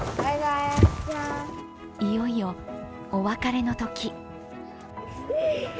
いよいよお別れの時。